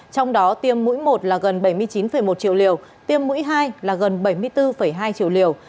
trong đó tiêm mũi một là gần bảy mươi chín một triệu liều tiêm mũi hai là gần bảy mươi bốn hai triệu liều